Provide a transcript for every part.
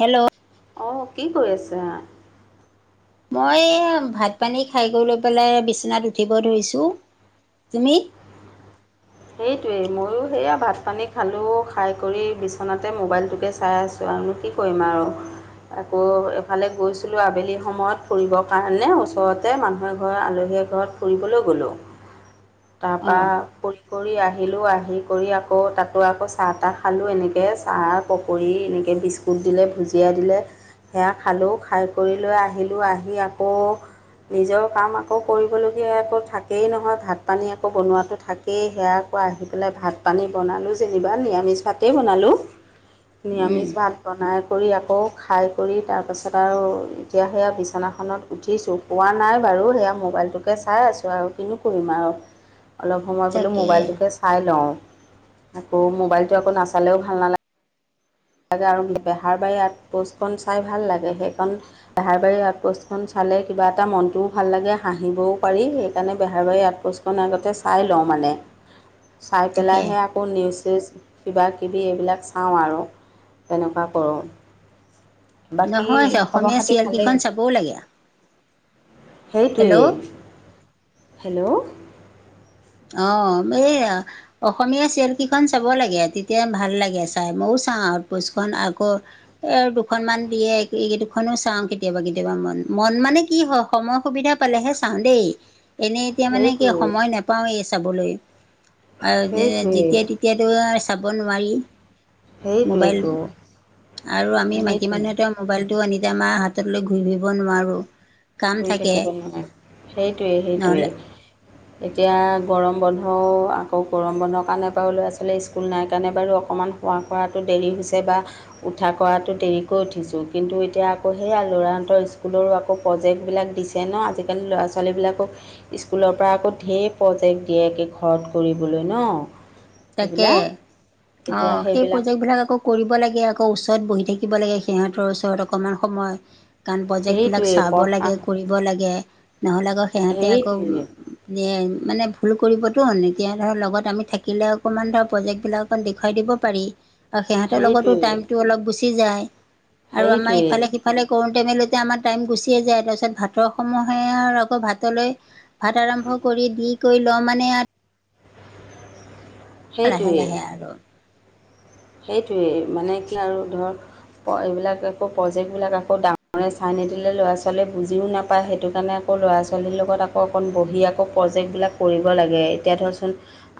Hello অ কি কৰি আছা? মই ভাত পানী খাই কৰি লৈ পেলাই বিচনাত উঠিব ধৰিছোঁ তুমি? সেইটোৱেই ময়ো সেয়া ভাত পানী খালোঁ খাই কৰি বিচনাতে মোবাইলটোকে চাই আছোঁ। আৰুনো কি কৰিম আৰু আকৌ এফালে গৈছিলোঁ আবেলি সময়ত ফুৰিবৰ কাৰণে ওচৰতে মানুহ এঘৰত আলহী এঘৰত। ফুৰিবলৈ গ'লোঁ তাৰপৰা অঁ ফ ফুৰি আহিলোঁ আহি কৰি আকৌ তাতো আকৌ চাহ তাহ খালোঁ এনেকৈ চাহ পকৰি এনেকৈ বিস্কুট। বুট দিলে ভুজিয়াই দিলে সেয়া খালোঁ খাই কৰি লৈ আহিলোঁ আহি আকৌ নিজৰ কাম আকৌ কৰিবলগীয়া আকৌ থাকেই নহয় ভাত পানী আকৌ বনোৱাতটো থাক, সে সেয়াক আহি পেলাই ভাত পানী বনালোঁ যেনিবা নিৰামিষ ভাতেই বনালোঁ। উম নিৰামিষ ভাত বনাই কৰি আকৌ খাই কৰি তাৰপিছত আৰু এতিয়া সেয়া বিছনাখনত উঠিছোঁ শুৱা নাই বাৰু সেয়া মোবাইলটোকে চাই আছোঁ আৰু কিনো কৰিম আৰু মই বোলো তাকে মোবাইলটোকে চাই লওঁ আকৌ মোবাইলটো আকৌ নাচালেও ভাল নালাগে - লাগে আৰম্ভ বেহাৰ বাৰী আউট পোষ্টকণ চাই ভাল লাগে সেইখন বেহাৰবাৰী আউটপোষ্টখন চালে কিবা এটা মনটোও ভাল লাগে হাঁহিবও পাৰি সেইকাৰণে বেহাৰবাৰী আউটপোষ্টখন - অনা আগতে চাই লওঁ মানে চাই তাকে পেলাইহে আকৌ নিউজ চিউজ কিবাকিবি এইবিলাক চাওঁ আৰু তেনেকুৱা কৰোও বাকী নহয় খবৰ অসমীয়া খাতি চিৰিয়েলকেইখন ভালেই। চাবও লাগে হেল্ল' সেইটোৱেই হেল্লো! অঁ! এইয়া অসমীয়া চিৰিল কেইখন চাব লাগে তেতিয়া ভাল লাগে চাই মইয়ও চাওঁ আট পোচখন আকৌ এ দুখনমান দিয়ে এইকেই দুখনো চাওঁ কেতিয়াবা কেতিয়াবা মন মন মানে কি হয় সময় সুবিধা পলহে চাওঁ দেই। এনেই এতিয়া মানে কি সেইটোৱে সময় নাপাওঁৱেই চাবলৈ আৰু সেইটোৱে যেতিয়া তেতিয়া এতিয়াতো আও চাব নোৱাৰি। মোবাইল সেইটোৱেইটো। আৰু আমি মাইকী সেইটোৱে মানুহতে মোবাইলতটো আনি আমাৰ হাতত লৈ ঘূৰি ফূৰিব নোৱাৰো। শুই থাকিব নোৱাৰে, সেইটোৱে নহ'লে সেইটোৱেই। এতিয়া গৰম বন্ধ আকৌ গৰম বন্ধৰ কাৰণে বাৰু ল'ৰা ছোৱালী স্কুল নাই কাৰণে বাৰু অকণমান শুৱা খোৱাটো কৰাটো দেৰি হৈছে বা উঠা কৰাতটো দেৰিকৈ উঠিছোঁ কিন্তু এতিয়া আকৌ সেই ল'ৰাহঁতৰ স্কুলৰো আকৌ প্ৰজেক্ট সেই বিলাক দিছে ন আজিকালি ল'ৰা ছোৱালী বিলাকক স্কুলৰ পৰা আকৌ ঢেই প্ৰজেক্ট দিয়ে একে ঘৰত কৰিবলৈ ন। তাকে এইবিলাক। অ এতিয়া সেই সেইবিলাক প্ৰজেক্ট বিলাক আকৌ কৰিব লাগে আকৌ ওচৰত বহি থাকিব লাগে সিহঁতৰ ওচৰত অকমান সময়। কাৰণ প্ৰজেক্টবিলাক সেইটোৱেই চাব পঢ়া লাগে কৰিব লাগে নহ'লে আকৌ সিহঁতে আকৌ সেইটোৱেই নিয়ে মানে ভুল কৰিবতো এতিয়া ধৰ লগত আমি থাকিলেও অকমান ধৰ প্ৰজেক বিলাক দেখোৱাই দিৱ পাৰি আৰু সিহতৰ লগতো সেইটোৱেই টাইমতো অলপ গোছি পি যায় আৰু আমাৰ সেইটোৱেই ইফালেদি ইফালে কৰোটে মেলোতে আমাৰ টাইম গুচিয়ে যায় তাৰপিছত ভাতৰ সময় হয় আকৌ ভাতলৈ ভাত আৰম্ভ কৰি দি কৰি লওঁ মানে আৰু লাহে সেইটোৱেই লাহে আৰু সেইটোৱেই মানে কিলা আৰু ধৰক অঁ এইবিলাক একৌ প্ৰজেক্টবিলাক আকৌ ডাঙৰে চাই নিদিলে ল'ৰা ছোৱালীয়ে বুজিও নাপায় সেইটো কাৰণে আকৌ ল'ৰা ছোৱালীৰ লগত আকৌ অকণ বহি আকৌ প্ৰজেক্টবিলাক কৰিব লাগে, এতিয়া ধৰচোন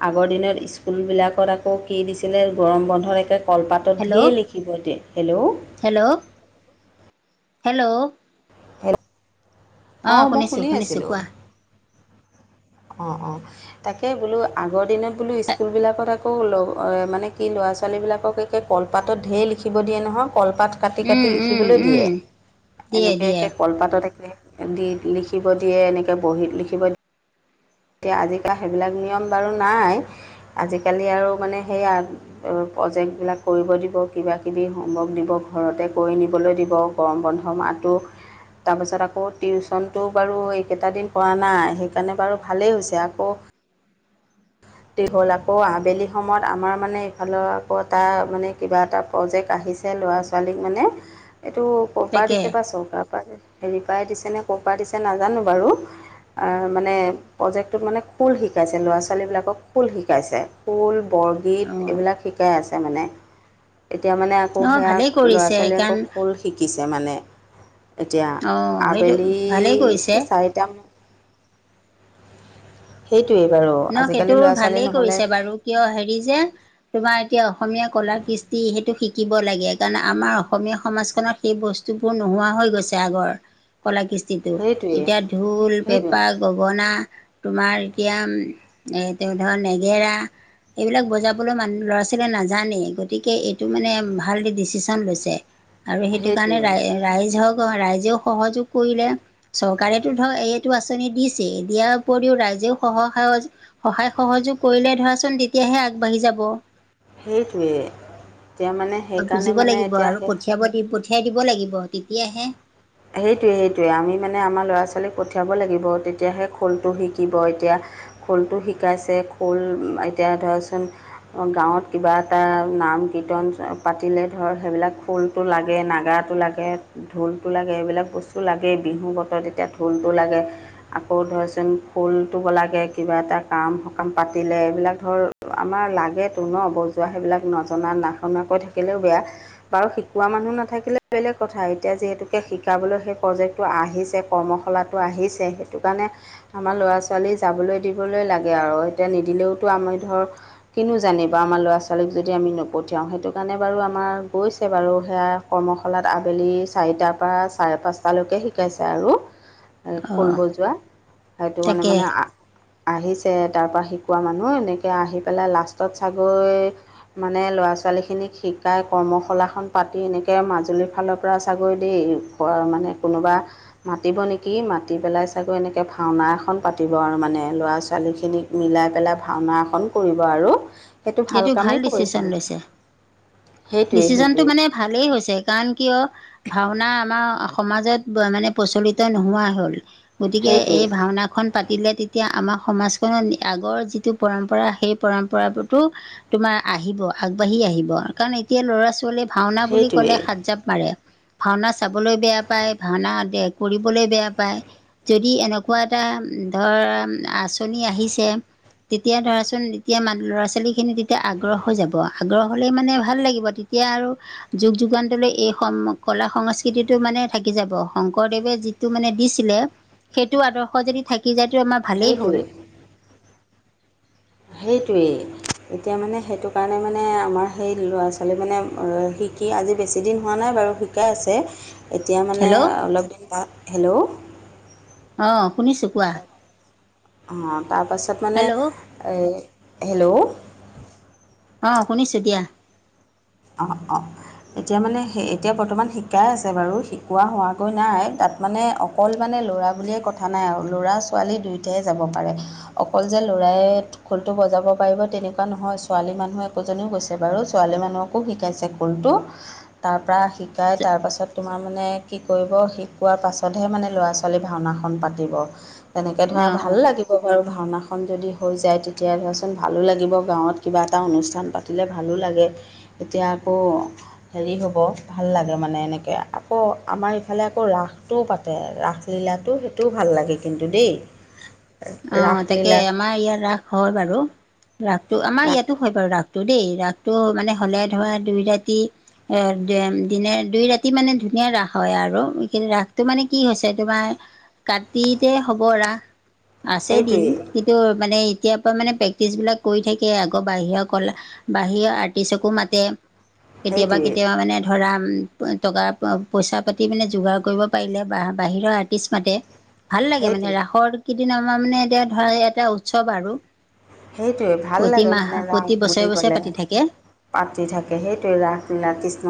আগৰ দিনত স্কুলবিলাকত আকৌ কি দিছিলে গৰম বন্ধ। অৰেকে কলপাতত ঢেৰ লিখিব দিয় হেল্লো'! হেল্লো! হেল্লো! ' হেল অ মই শুনিছোঁ শুনি শুনিছোঁ আছিলো। কোৱা অঁ অঁ তাকে বোলো আগৰ দিনত বোলো স্কুলবিলাকত আকৌ মানে কি ল'ৰা ছোৱালী বিলাককে কলপাতত ঢেৰ লিখিব দিয়ে নহয় কলপাত কাটি উম কাটি উম লিখিবলৈ উম দিয়ে দিয়ে এনেকে দিয়ে একে কলপাতত একে দি লিখিব দিয়ে এনেকৈ বহিত লিখিব দিয়ে। এতিয়া আজিকা সেইবিলাক নিয়ম বাৰু নাই আজিকালি আৰু মানে সেইয়া প্ৰজেক্টবিলাক কৰিব দিব কিবাকিবি হোমৱৰ্ক দিব ঘৰতে কৰি নিবলৈ দিব। গৰম বন্ধ মাহটো। তাৰপাছত আকৌ টিউশচনটো বাৰু এইকেইটা দিন পৰা নাই সেইকাৰণে বাৰু ভালেই হৈছে আকৌ দি হ'ল আকৌ। আবেলি সময়ত, আমাৰ মানে, এইফালৰ আকৌ, তাৰ মানে, কিবা এটা প্ৰজেক্ট আহিছে, ল'ৰা-ছোৱালীক মানে। এইটো ক'ৰ পৰা তাকে দিছে বা চৰকাৰৰ পৰা দিছে! সেৰি পৰাই দিছেনে, ক'ৰ পৰা দিছে নাজানোঁ বাৰু। আৰু মানে, প্ৰজেক্টটোত মানে, খোল শিকাইছে, ল'ৰা-ছোৱালী ল'ৰা-ছোৱালবিলাকক খোল শিকাইছে, খোল, বৰগীত, অঁ এইবিলাক শিকাই আছে মানে। এতিয়া মানে, আকৌ অঁ সেয়া, ভালেই কৰিছে ল'ৰা-ছোৱালীয়ে কাৰণ আকৌ, খোল শিকিছে মানে। এতিয়া, অঁ সেইটো আবেলি, ভালেই কৰিছে এই চাৰিটা সেইটোৱে বাৰু। ন'‌ আজিকালি সেইটো ল'ৰা ছোৱালী ভালেই নহ'লে কৰিছে বাৰু! কিয় সেৰি যে, তোমাৰ এতিয়া, অসমীয়া কলা-কৃষ্টি, সেইটো শিকিব লাগে। সেইকাৰণে, আমাৰ অসমীয়া সমাজখনত এই বস্তুবোৰ নোহোৱা হৈ গৈছে আগৰ। কলা-কৃষ্টিটো। সেইটোৱেই এতিয়া, ঢোল, সেইটোৱে পেঁপা, গগনা, তোমাৰ এতিয়া, এইটো ধৰ, নেগেৰা। এইবিলাক বজাবলৈ মানুহ, ল'ৰা-ছোৱালীৱে নাজানেই। গতিকে, এইটো মানে, ভাল ডিচিছন লৈছে। আৰু সেইটো কাৰণে, সেইটোৱে ৰাই ৰাইজক, ৰাইজেও সহযোগ কৰিলে। চৰকাৰেতো ধৰ, এইটো আঁচনি দিছে। দিয়াৰ উপৰিও, ৰাইজেও সহায় সহযোগ সহায়-সহযোগ কৰিলে, ধৰাচোন তেতিয়াহে, আগবাঢ়ি যাব। সেইটোৱে! এতিয়া মানে, সেইকাৰণে বুজিব মানে লাগিব এতিয়া আৰু সেই পঠিয়াব দি, পঠিয়াই দিব লাগিব, তেতিয়াহে! সেইটোৱে, সেইটোৱে। আমি মানে, আমাৰ ল'ৰা- ছোৱালীক পঠিয়াব লাগিব। তেতিয়াাহে, খোলটো শিকিব এতিয়া। খোলটো শিকাইছে, খোল। এতিয়া, ধৰাচোন গাঁৱত কিবা এটা, নাম-কীৰ্তন পাতিলে ধৰ, সেইবিলাক, খোল খোলটো লাগে, নাগাৰাটো লাগে, ঢোল টো লাগে, এইবিলাক বস্তু লাগেই। বিহু বতৰত এতিয়া, ঢোলটো লাগে। আকৌ ধৰচোন, খোলটো লাগে, কিবা এটা কাম- সকাম পাতিলে, এইবিলাক ধৰ, আমাৰ লাগেটো ন'! বজোৱা সেইবিলাক, নজনা নাশুনাকৈ থাকিলেও বেয়া। বাৰু শিকোৱা মানুহ নাথাকিলে বেলেগ কথা। এতিয়া যিহেতু, শিকাবলৈ সেই প্ৰজেক্টটো আহিছে, কৰ্মশালাটো আহিছে, সেইটো কাৰণে, আমাৰ ল'ৰা-ছোৱালী যাবলৈ দিবলৈ, লাগে আৰু। এতিয়া, নিদিলেওঁতো আমি ধৰ, কিনো জানে বাৰু! আমাৰ ল'ৰা-ছোৱালীক যদি আমি নপঠিয়াওঁ। সেইটো কাৰণে বাৰু আমাৰ গৈছে বাৰু সেয়া। কৰ্মশালাত আবেলি, চাৰিটাৰ পৰা, চাৰে পাঁচটালৈকে শিকাইছে আৰু। এই, অ খোল বজোৱা। সেইটো তাকে মানে-মানে, আ আহিছে, তাৰপৰা শিকোৱা মানুহ। এনেকৈ, আহি পেলাই লাষ্টত চাগৈ, মানে, ল'ৰা-ছোৱালীখিনিক শিকাই, কৰ্মশালাখন পাতি, এনেকে মাজুলীৰ ফালৰ পৰা চাগৈ [unintelligible] মানে, কোনোবা মাতিব নেকি! মাতি পেলাই চাগৈ, এনেকৈ ভাওনা এখন পাতিব আৰু মানে, ল'ৰা-ছোৱালীখিনিক। মিলাই পেলাই ভাওনা এখন কৰিব আৰু। সেইটো এইটো ভাল কামেই কৰিছে ডিচিছন লৈছে! সেইটোৱে ডিচিছনটো সেইটোৱে মানে, ভালেই হৈছে! কাৰণ, কিয়! ভাওনা আমাৰ, সমাজত মানে, প্ৰচলিত নোহোৱা হ'ল। গতিকে, সেইটোৱে এই ভাওনা খন পাতিলে, তেতিয়া আমাৰ, সমাজখনত, আগৰ যিটো পৰম্পৰা, সেই পৰম্পৰা টো তোমাৰ আহিব, আগবাঢ়ি আহিব। কাৰণ এতিয়া, ল'ৰা-ছোৱালীৱে ভাওনা বুলি সেইটোৱে ক'লে, সাত জাপ মাৰে। ভাওনা চাবলৈ বেয়া পায়, ভাওনা দে, কৰিবলৈ বেয়া পায়। যদি এনেকুৱা এটা ধৰ আঁচনি আহিছে- তেতিয়া ধৰাচোন এতিয়া মানে ধৰা চোন - ল'ৰা-ছোৱালীখিনি তেতিয়া আগ্ৰহ হৈ যাব, আগ্ৰহ হ'লেই মানে ভাল লাগিব তেতিয়া আৰু- যুগ যুগান্তৰলৈ এই কলা সংস্কৃতিটো মানে থাকি যাব। শংকৰদেৱে যি- সেইটো মানে দিছিলে সেইটো আদৰ্শ যদি থাকি যায় তো আমাৰ ভালেই হ'ল। সেইটোৱে সেইটোৱেই। এতিয়া মানে সেইটো কাৰণে মানে আমাৰ সেই ল'ৰা-ছোৱালী মানে শিকি আজি বেছিদিন হোৱা নাই বাৰু। ঠিকে আছে। এতিয়া মানে হেল্ল' অলপ দিন বাত হেল্ল'। অঁ শুনিছোঁ কোৱা? অঁ তাৰপাছত মানে হেল্ল' এই, হেল্ল'। অঁ শুনিছো দিয়া। অঁ অঁ এতিয়া মানে সেই এতিয়া বৰ্তমান শিকাই আছে বাৰু শিকোৱা হোৱা গৈ নাই তা'ত - মানে অকল মানে ল'ৰা বুলিয়ে কথা নাই আৰু ল'ৰা-ছোৱালী দুয়োটাইে যাব পাৰে। অকল যে লৰাই - খুলটো বজাব পাৰিব তেনেকুৱা নহয় ছোৱালী মানুহ একোজনীও গৈছে বাৰু। ছোৱালী মানুহক- কো শিকাইছে খুলটো। তাৰপৰা শিকাই তাৰপাছত তোমাৰ মানে কি কৰিব শিকোৱাৰ পাছতহে মানে ল'ৰা-ছোৱালী- ল'ৰা-ছোৱালীৰ ভাওনাখন পাতিব তেনেকে ধৰা ভাল অঁ লাগিব। ধৰ ভাওনাখন যদি হৈ যায় তেতিয়া ধৰাচোন ভালো লাগিব গাঁৱত কিবা এটা অনুষ্ঠান পাতি- লে ভালো লাগে। এতিয়া আকৌ - হেৰি হ'ব ভাল লাগে মানে এনেকৈ। আকৌ আমাৰ ইফালে আকৌ ৰাসটোও পাতে ৰাস- লীলাটো সেইটোও ভাল লাগে কিন্তু দেই। অঁ তাকে ৰাসলীলা আমাৰ ইয়াত ৰাস হয় বাৰু ৰাসটো আমাৰ ৰাস ইয়াতো হয় বাৰু ৰাস- টো দেই। ৰাসটো মানে হ'লে ধৰা দুই ৰাতি - এ দিনে দুই ৰাতি মানে ধুনীয়া ৰাস হয় আৰু ৰাসটো মানে কি হৈছে তোমাৰ কাটিতে হ'ব ৰাস। আছে দিন সেইটোৱেই কিন্তু মানে এতিয়াৰ পৰা মানে প্ৰেক্টিবিলাক কৰি থাকে আগৰ বাহিৰা কলা- বাহিৰ আৰ্টিষ্টকো মাতে। কেতিয়াবা সেইটোৱেই কেতিয়াবা মানে ধৰা টকা পইচা পাতি মানে যোগাৰ কৰিব পাৰিলে বাহিৰৰ আৰ্টিষ্ট মাতে। ভাল লাগে মানে সেইটোৱেই ৰাসৰ কেইদিন আমাৰ মানে এতিয়া ধৰা এটা উৎসৱ আৰু। সেইটোৱে ভাল প্ৰতি লাগে মাহ মানে ৰাস প্ৰতি বছৰে বুলি বছৰে ক'লে। পাতি থাকে পাতি থাকে সেইটোৱে ৰাসলীলা কৃষ্ণ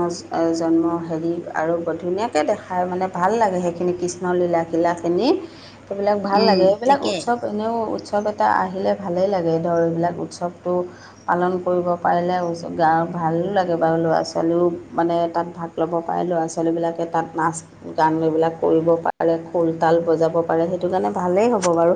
জন্ম হেৰি আৰু ধুনীয়া- কে দেখায় মানে ভাল লাগে সেইখিনি কৃষ্ণলীলা-শীলা খিনি। সেইবিলাক ভাল উম, লাগে এইবিলাক তাকে উৎসৱ এনেও উৎসৱ এটা আহিলে ভালেই লাগে। কে ধৰ এইবিলাক উৎসৱটো- পালন কৰিব পাৰিলে গাঁৱ ভালো লাগে বাৰু ল'ৰা-ছোৱালীও মানে তা'ত ভাগ- ল'ব পাৰে। ল'ৰা-ছোৱালীবিলাকে তা'ত নাচ- গান এইবিলাক কৰিব পাৰে খোলতাল বজাব পাৰে সেইটো কাৰণে ভালেই হ'ব বাৰু।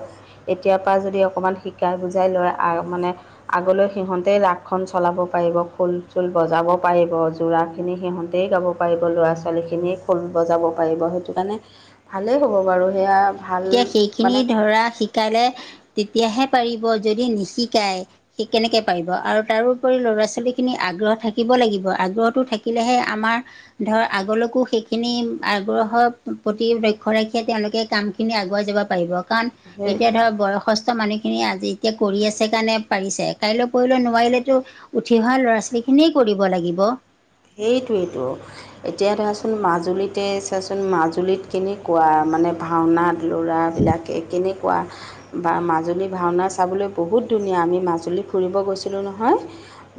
এতিয়াৰ পৰা যদি অকণমান শিকাই বুজাই লয় আৰু মানে - আগলৈ সিহঁতে ৰাসখন চলাব পাৰিব খুল-চুল বজাব পাৰিব যোৰাখিনি সিহঁতেই গাব পাৰিব। ল'ৰা-ছোৱালীখিনিয়ে খোল বজাব পাৰিব সেইটো কাৰণে ভালেই হ'ব বাৰু। সেয়া ভাল তেতিয়া সেইখিনি মানে ধৰা শিকালে তেতিয়াহে পাৰিব যদি নিশিকায় - সি কেনেকে পাৰিব আৰু তাৰোপৰি ল'ৰা ছোৱালী খিনি আগ্ৰহ থাকিব লাগিব। আগ্ৰহটো থাকিলে'হে আমাৰ- ধৰ আগলৈকো সেইখিনি আগ্ৰহৰ প্ৰতি লক্ষ্য ৰাখিয়ে তেওঁলোকে কাম বহুত খিনি আগুৱাই যাব পাৰিব। কাৰণ সেই এতিয়া ধৰ বয়স- অসস্থ মানুহখিনিয়ে আজি এতিয়া কৰি আছে কাৰণে পাৰিছে কাইলৈ পৰিহিলৈ নোৱাৰিলেতো উঠি অহা ল'ৰা-ছোৱালী খিনিয়েই কৰিব লাগিব। সেইটোৱেটো। এতিয়া ধৰাচোন মাজুলীতে চাচোন মাজুলীত কেনেকুৱা মানে ভাওনা দেউৰাবিলাক। কে কেনেকুৱা। বা মাজুলী ভাওনা চাবলৈ বহুত ধুনীয়া আমি মাজুলী ফুৰিব গৈছিলোঁ নহয়।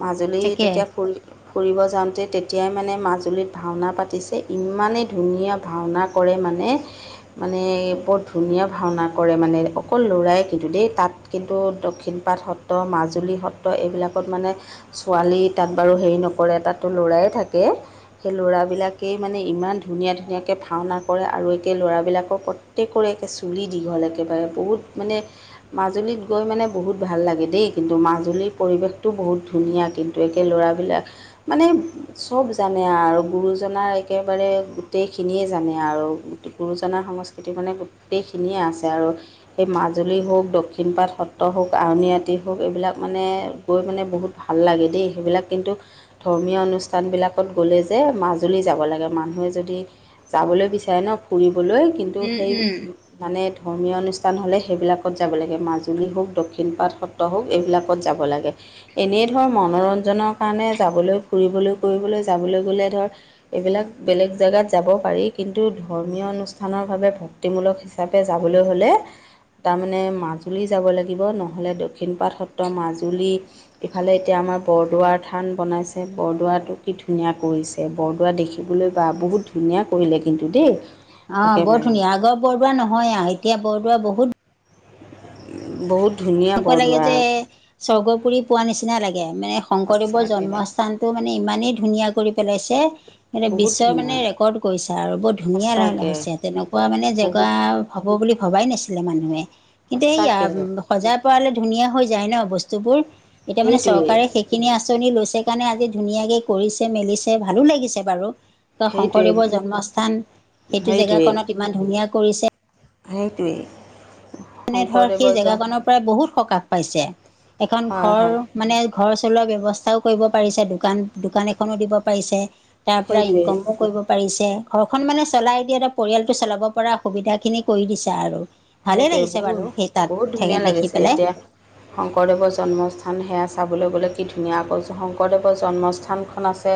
মাজুলী তাকে তেতিয়া ফুৰি ফুৰিব যাম তে তেতিয়াই মানে মাজুলীত ভাওনা পাতিছে ইমানেই ধুনীয়া ভাওনা কৰে মানে- মানে বৰ ধুনীয়া ভাওনা কৰে মানে অকল ল'ৰাই কিন্তু দেই তাত কিন্তু দক্ষিণ পাট সত ত মাজুলী সত্ৰ এইবিলাকত মানে ছোৱালী তাত বাৰু হেৰি নকৰে তাত ট লৰাই থাকে সেই ল'ৰাবিলাকেই মানে ইমান ধুনীয়া ধুনীয়াকে ভাওনা কৰে আৰু একেই ল'ৰাবিলাকক কত টেকৰ একে চুলি দীঘল একেবাৰে বহুত মানে মাজুলীত গৈ মানে বহুত ভাল লাগে দেই কিন্তু মাজুলীৰ পৰিৱেশটো বহুত ধুনীয়া কিন- টো একে ল'ৰাবিলাক মানে চব জানে আৰ গুৰুজনাৰ একেবাৰে গোটেইখিনিয়ে জানে আৰু গুৰুজনাৰ সংস্কৃতি মানে গোটেইখিনিয়ে আছে আৰু। এই মাজুলী হওঁক, দক্ষিণ পাট সত্ৰ হওঁক, আউণীআটী হওঁক এইবিলাক মানে গৈ মানে বহুত ভাল লাগে দেই সেইবিলাক কিন্তু, ধৰ্মীয় অনুষ্ঠানবিলাকত গ'লে যে মাজুলী যাব লাগে মানুহে যদি যাবলৈ বিচাৰে ন ফুৰিবলৈ কিন্তু উম সেই উম মানে ধৰ্মীয় অনুষ্ঠান হ'লে সেইবিলাকত যাব লাগে মাজুলী হওঁক দক্ষিণ পাট হওক এইবিলাকত যাব লাগে, এনেই ধৰ মনোৰঞ্জনৰ কাৰণে যাবলৈ ফুৰিবলৈ কৰিবলৈ যাবলৈ গ'লে ধৰ এইবিলাক বেলেগ জেগাত যাব পাৰি কিন্তু ধৰ্মীয় অনুষ্ঠানৰ বাবে ভক তিমূলক হিচাপে যাবলৈ হ'লে তামানে মাজুলী যাব লাগিব নহ'লে দক্ষিণ পাট সত্ৰ মাজুলী- ইফালে এতিয়া আমাৰ বৰদোৱাৰ থান বনাইছে বৰদোৱাটো কি ধুনীয়া কৰিছে বৰদোৱা দেখিবলৈ বা বহুত ধুনীয়া কৰিলে কিন্তু দেই। অঁ বৰ একেবাৰে ধুনীয়া আগৰ বৰদোৱা নহয় আৰু এতিয়া বৰদোৱা বহুত বহুত ধুনীয়া বৰদোৱা। স্বৰ্গপুুৰি পোৱাৰ নিচিনা লাগে মানে শংকৰদেৱৰ সঁচাকৈ জন্মস্থান টো মানে ইমানেই ধুনীয়া কৰি পেলাইছে- বহুত বিশ্ব ধুনীয়া মানে ৰেকৰ্ড কৰিছে আৰু বৰ ধুনীয়া লহ লহ সঁচাকৈ হৈছে তেনেকুৱা মানে জেগা বহুত হ'ব বুলি ভবাই নাছিলে মানুহে কিন্তু এইয়া সঁচাকৈ সজাই পৰালে ধুনীয়া হৈ যায় ন বস্তুবোৰ এতিয়া মানে সেইটোৱেই চৰকাৰে সেই সেই খিনি আঁচনি লৈছে কাৰণে আজি ধুনীয়াকে কৰিছে মেলিছে ভালো লাগিছে বাৰু। বা সেইটোৱে শংকৰদেৱৰ জন্মস্থান সেইটো জেগা সেইটোৱেই কনত ইমান ধুনীয়া কৰিছে সেইটোৱেই। মানে ধৰ সেই শংকৰদেৱৰ জ জেগাকনৰ পৰাই বহুত সকাহ পাইছে এখন হয় ঘৰ হয় মানে ঘৰ চলোৱাৰ ব্যৱস্থাও কৰিব পাৰিছে দোকান দোকান এখনো দিব পাৰিছে। তাৰ পৰা সেইটোৱেই ইনকমো কৰিব। পাৰিছে ঘৰখন মানে চলাই দিয়ে এটা পৰিয়ালটো চলাব পৰা সুবিধা খিনি কৰি দিছে আৰু। ভালেই সেইটোৱে লাগিছে বহুত বাৰু সেই তাত বহুত ধুনীয়া সেইয়াত দেখি লাগিছে পেলাই। এতিয়া শংকৰদেৱৰ জন্মস্থান সেয়া চাবলৈ গ'লে কি ধুনীয়া কৈছোঁ, শংকৰদেৱৰ জন্মস্থান খন আছে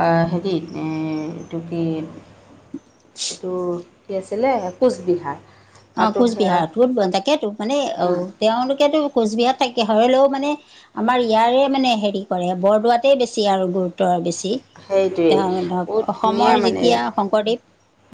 আঁ হেৰীত এ এইটো কি এইটো কি আছিল কোচবিহাৰ অঁ, তাতো সেয়া কোচবিহাৰ কত তাকেতো মানে অ তেওঁলোকেতো কোচবিহাৰ তাকে হৰলেও মানে আমাৰ ইয়াৰে মানে হেৰি কৰে বৰদোৱাতে বেছি আৰু গুৰুত্ব আৰু বেছি। সেইটোৱেই এতিয়া ধৰক বহুত ধুনীয়া অসমৰ মানে যেতিয়া শংকৰদেৱ